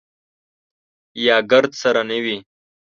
یا ګرد سره نه وي.